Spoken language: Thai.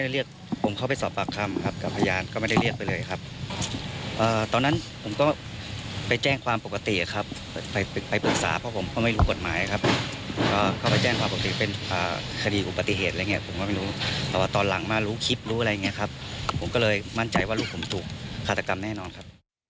เล่าถึงเรื่องนี้กันหน่อยนะคะ